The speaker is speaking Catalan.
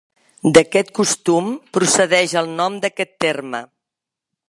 D'aquest costum procedeix el nom d'aquest terme.